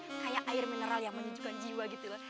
kayak air mineral yang menunjukkan jiwa gitu loh